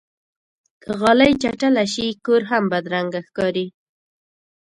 که غالۍ چټله شي، کور هم بدرنګه ښکاري.